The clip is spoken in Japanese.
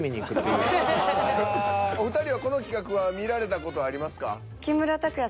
お二人はこの企画は見られた事はありますか？